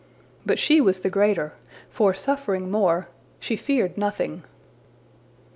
But she was the greater, for suffering more, she feared nothing.